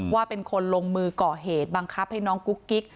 ว่าเป็นคนลงมือก่อเหตุบังคับให้น้องกุ๊กกิ๊ก